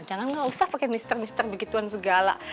jangan gak usah pakai mister mister begituan segala